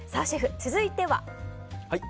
シェフ、続いては？